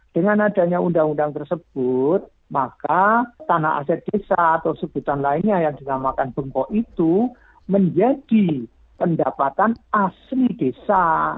dengan adanya undang undang tersebut maka tanah aset desa atau sebutan lainnya yang dinamakan bengkok itu menjadi pendapatan asli desa